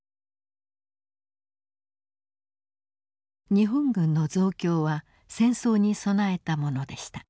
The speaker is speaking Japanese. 日本軍の増強は戦争に備えたものでした。